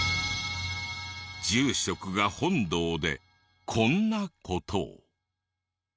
住職が本堂でこんな事を。